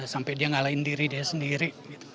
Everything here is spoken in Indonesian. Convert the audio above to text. sampai dia ngalahin diri dia sendiri